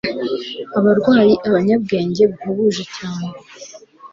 abarwanyi, abanyabwenge buhebuje cyane